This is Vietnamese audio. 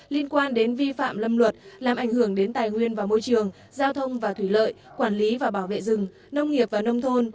liên quan đến vi phạm lâm luật làm ảnh hưởng đến tài nguyên và môi trường giao thông và thủy lợi quản lý và bảo vệ rừng nông nghiệp và nông thôn